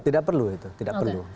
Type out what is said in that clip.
tidak perlu itu